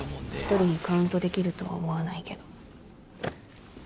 １人にカウントできるとは思わないけど。